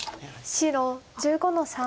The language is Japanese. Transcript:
白１５の三切り。